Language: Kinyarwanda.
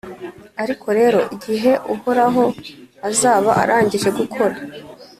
Ariko rero, igihe Uhoraho azaba arangije gukora